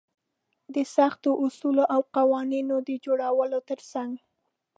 د سختو اصولو او قوانينونو د جوړولو تر څنګ.